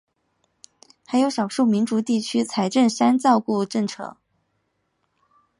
还有少数民族地区财政三照顾政策。